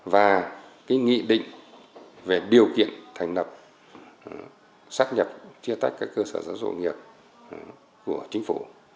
và nghị định về điều kiện thành lập xác nhập chia tách các cơ sở doanh nghiệp của chính phủ